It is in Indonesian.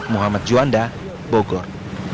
muhammad juanda bogor